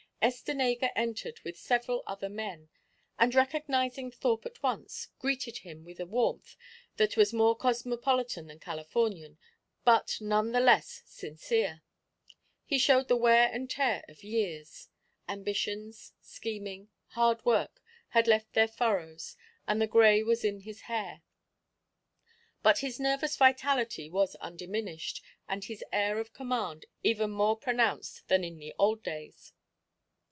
Estenega entered with several other men, and, recognising Thorpe at once, greeted him with a warmth that was more cosmopolitan than Californian, but none the less sincere. He showed the wear and tear of years. Ambitions, scheming, hard work had left their furrows, and the grey was in his hair. But his nervous vitality was undiminished, and his air of command even more pronounced than in the old days.